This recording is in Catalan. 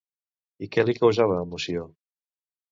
I què li causava emoció?